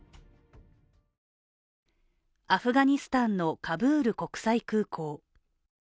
アフガニスタンのカブール国際空港。